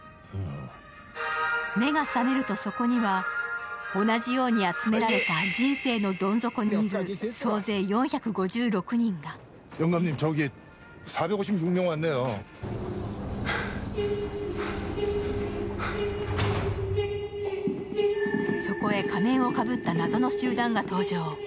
目が覚めると、そこには同じように集められた人生のどん底にいる総勢４５６人が。そこへ仮面をかぶった謎の集団が登場。